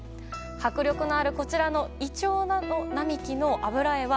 迫力のあるこちらのイチョウ並木の油絵は。